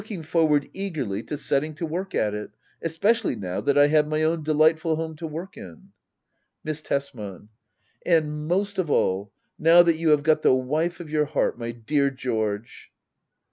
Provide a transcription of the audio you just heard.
I am looking forward eagerly to setting to work at it ; especially now that I have my own delightful home to work in. Miss Tesman. And, most of all, now that you have got the wife of your heart, my dear George.